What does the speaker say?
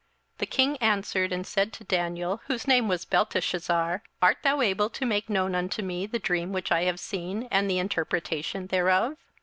27:002:026 The king answered and said to Daniel, whose name was Belteshazzar, Art thou able to make known unto me the dream which I have seen, and the interpretation thereof?